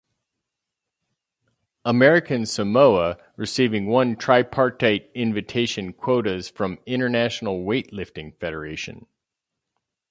American Samoa receiving one tripartite invitation quotas from International Weightlifting Federation.